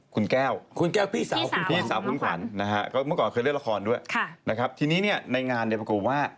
คุณแก้วพี่สาวของน้องขวัญนะฮะก็เมื่อก่อนเคยเรียกละครด้วยนะครับทีนี้เนี่ยในงานเนี่ยปรากฎว่า